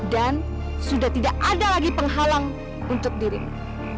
dan sudah tidak ada lagi penghalang untuk dirimu